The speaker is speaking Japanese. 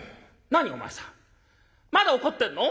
まだ怒ってんの？」。